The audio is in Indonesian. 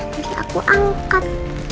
nanti aku angkat